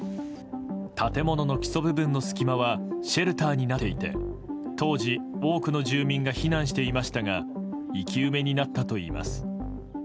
建物の基礎部分の隙間はシェルターになっていて当時、多くの住民が避難していましたが生き埋めになったといいます。